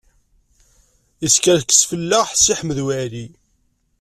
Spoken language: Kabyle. Yeskerkes fell-aɣ Si Ḥmed Waɛli.